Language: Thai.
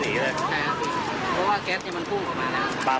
เพราะว่าแก๊สจะมันพุ่งออกมานะ